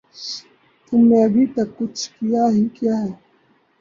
تم نے ابھے تک کچھ کیا ہی کیا ہے